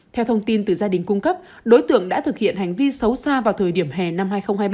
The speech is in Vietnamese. theo thông tin từ gia đình cung cấp đối tượng đã thực hiện hành vi xấu xa vào thời điểm hè năm hai nghìn hai mươi ba